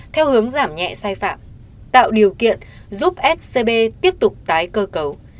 theo hướng giảm nhẹ sai phạm tạo điều kiện giúp scb tiếp tục tái cơ cấu